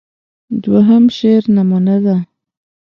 دوهم شعر نمونه ده.